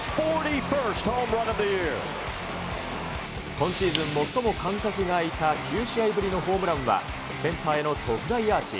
今シーズン最も間隔が空いた９試合ぶりのホームランは、センターへの特大アーチ。